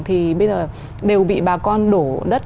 thì bây giờ đều bị bà con đổ đất